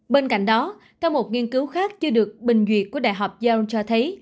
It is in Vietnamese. bên cạnh đó theo một nghiên cứu khác chưa được bình duyệt của đại học yoon cho thấy